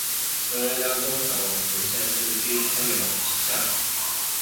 位于辽宁省本溪市本溪满族自治县偏岭乡。